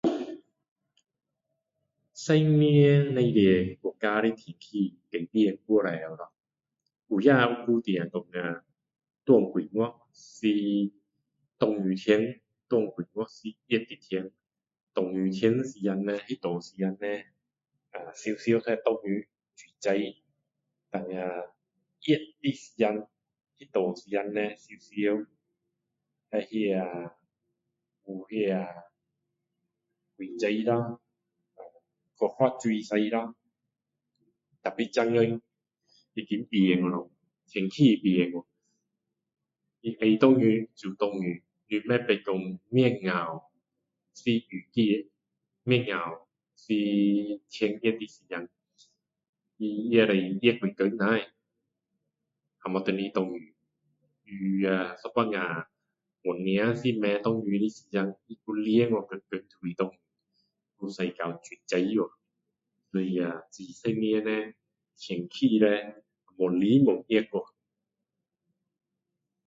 十年里面国家的天气改变太多了咯以前固定讲啊哪几月是下雨天哪几月是热的天下雨天时间叻那段时间叻会常常都会下雨水灾然后叻热的时间那段时间叻常常会那有那火灾咯去发水用咯可是现今已经变了天气变了它爱下雨就下雨你不知道说几时是雨季几时是天热的时间你也可以热几天了突然间下雨雨啊有时候本来是不会下雨的时间它还连几天天下雨还到水灾哦哎呀这十年叻天气越来越热哦